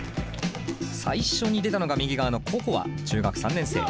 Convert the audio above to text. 最初に出たのが右側のＣｏｃｏａ中学３年生。